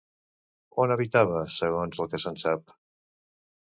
On habitava, segons el que se'n sap?